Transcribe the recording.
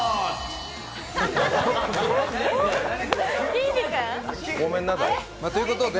きんに君！？